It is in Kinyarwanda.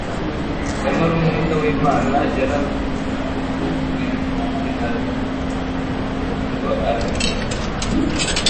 Nyamara Umwuka w'Imana yarabaktuikiranye ngo abemeze;